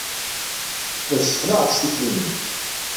La tessexlaɛed s tikli-nnem.